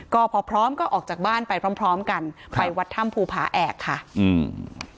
ก็พอพร้อมก็ออกจากบ้านไปพร้อมพร้อมกันไปวัดถ้ำภูผาแอกค่ะอืม